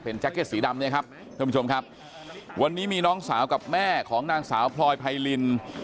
แจ็คเก็ตสีดำเนี่ยครับท่านผู้ชมครับวันนี้มีน้องสาวกับแม่ของนางสาวพลอยไพริน